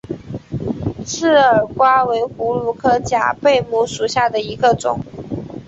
刺儿瓜为葫芦科假贝母属下的一个种。